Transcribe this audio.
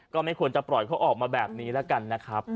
ก็ไม่ควรจะปล่อยเขาออกมาแบบนี้แล้วกันนะครับ